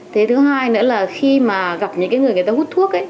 thế thứ hai nữa là khi mà gặp những người người ta hút thuốc ấy